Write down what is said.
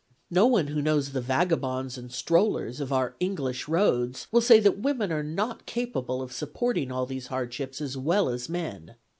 No one who knows the vaga bonds and strollers of our English roads will say that women are not capable of supporting all these hard ships as well as men.